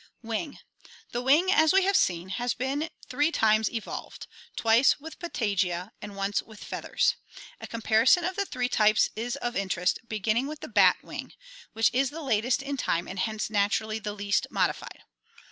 Wing. — The wing, as we have seen, has been three times evolved, twice with patagia and once with feathers. A compari son of the three types is of interest, begin ning with the bat wing (see Fig. i9,F), which is the latest in time and hence naturally the least modified.